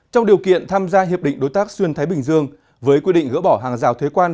trong điều kiện tham gia hiệp định đối tác xuyên thái bình dương với quy định gỡ bỏ hàng rào thuế quan